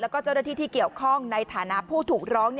แล้วก็เจ้าหน้าที่ที่เกี่ยวข้องในฐานะผู้ถูกร้อง